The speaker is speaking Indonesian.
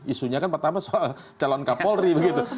isunya kan pertama soal calon kapolri begitu